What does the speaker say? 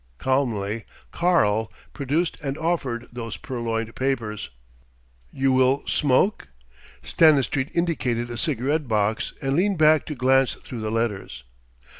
Calmly "Karl" produced and offered those purloined papers. "You will smoke?" Stanistreet indicated a cigarette box and leaned back to glance through the letters.